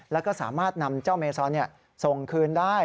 แล้วก็สามารถนำเจ้าเมซอนส่งคืนได้